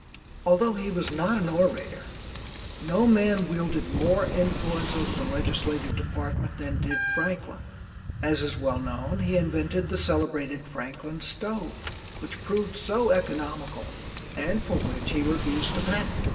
Although he was not an orator, no man wielded more influence over the legislative department than did Franklin. As is well known, he invented the celebrated Franklin Stove, which proved so economical, and for which he refused a patent.